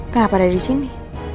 kenapa ada di sini